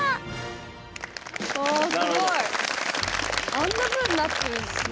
あんなふうになってるんですね。